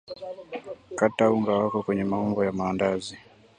kata unga wako kwenye maumbo ya maandazi